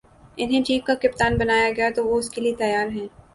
انہیں ٹیم کا کپتان بنایا گیا تو وہ اس کے لیے تیار ہیں